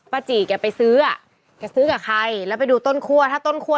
จี่แกไปซื้ออ่ะแกซื้อกับใครแล้วไปดูต้นคั่วถ้าต้นคั่ว